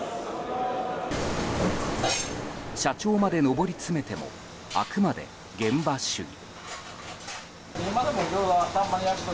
社長まで上り詰めてもあくまで現場主義。